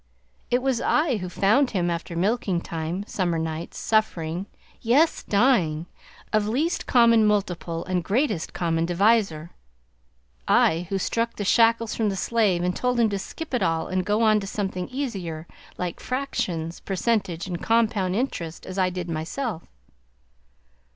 It was I who found him after milking time, summer nights, suffering, yes dying, of Least Common Multiple and Greatest Common Divisor; I who struck the shackles from the slave and told him to skip it all and go on to something easier, like Fractions, Percentage, and Compound Interest, as I did myself.